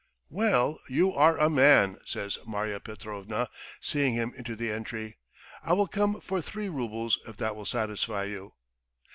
"Well, you are a man!" says Marya Petrovna, seeing him into the entry. "I will come for three roubles if that will satisfy you."